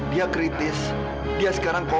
dia kritis dia sekarang koma bu